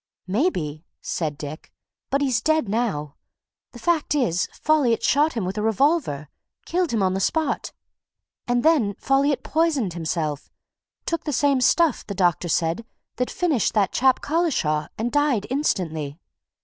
"Maybe," said Dick. "But he's dead now. The fact is, Folliot shot him with a revolver killed him on the spot. And then Folliot poisoned himself took the same stuff, the doctor said, that finished that chap Collishaw, and died instantly.